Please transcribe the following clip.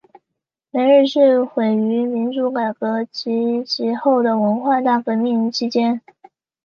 梅日寺毁于民主改革及其后的文化大革命期间。